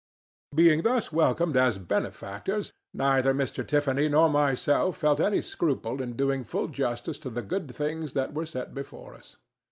Being thus welcomed as benefactors, neither Mr. Tiffany nor myself felt any scruple in doing full justice to the good things that were set before us.